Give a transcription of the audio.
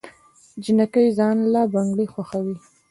جينکۍ ځان له بنګړي خوښوي